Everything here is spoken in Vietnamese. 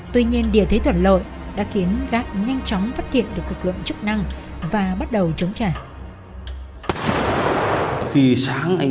tuy nhiên địa thế thuận lợi đã khiến gác nhanh chóng phát hiện được lực lượng chức năng và bắt đầu chống trả